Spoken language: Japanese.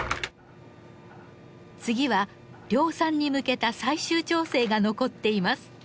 次は量産に向けた最終調整が残っています。